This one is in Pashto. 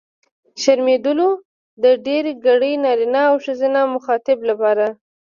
شرمېدلو! د ډېرګړي نرينه او ښځينه مخاطب لپاره.